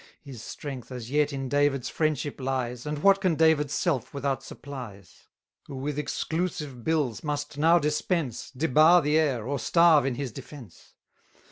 His strength as yet in David's friendship lies, And what can David's self without supplies? Who with exclusive bills must now dispense, Debar the heir, or starve in his defence.